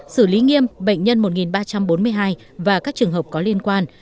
xử lý nghiêm bệnh nhân một ba trăm bốn mươi hai và các trường hợp có liên quan